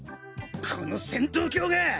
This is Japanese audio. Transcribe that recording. この戦闘狂が！